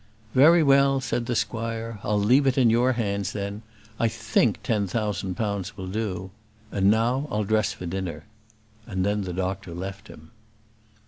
"Very well," said the squire. "I'll leave it in your hands, then. I think ten thousand pounds will do. And now I'll dress for dinner." And then the doctor left him.